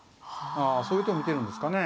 そういう手も見てるんですかね。